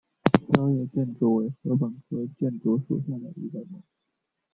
凋叶箭竹为禾本科箭竹属下的一个种。